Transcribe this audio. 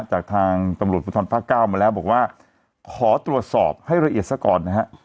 จากทางตำรวจภูทรภาคเก้ามาแล้วบอกว่าขอตรวจสอบให้ละเอียดซะก่อนนะฮะ